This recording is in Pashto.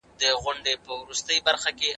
هغوی تېره میاشت خپل پلانونه لیکلي وه.